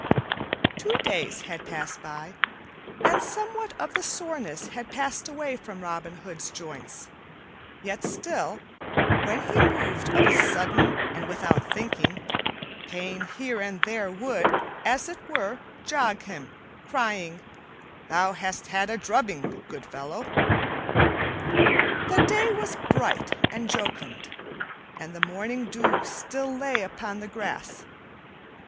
Two days had passed by, and somewhat of the soreness had passed away from Robin Hood's joints, yet still, when he moved of a sudden and without thinking, pain here and there would, as it were, jog him, crying, "Thou hast had a drubbing, good fellow." The day was bright and jocund, and the morning dew still lay upon the grass.